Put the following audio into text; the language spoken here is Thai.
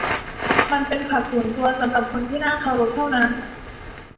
มันเป็นคลับส่วนตัวสำหรับคนที่น่าเคารพเท่านั้น